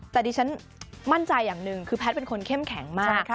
แต่ดิฉันมั่นใจอย่างหนึ่งคือแพทย์เป็นคนเข้มแข็งมาก